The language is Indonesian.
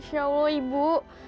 ya allah ibu